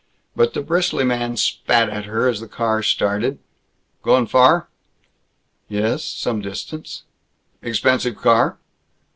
But the bristly man spat at her as the car started, "Going far?" "Ye es, some distance." "Expensive car?"